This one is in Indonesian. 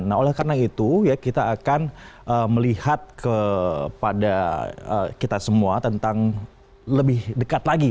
nah oleh karena itu ya kita akan melihat kepada kita semua tentang lebih dekat lagi